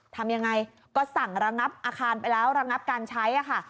ทำยังไงก็สั่งระงับอาคารไปแล้วระงับการใช้ค่ะ